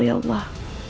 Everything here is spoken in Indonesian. terima kasih bu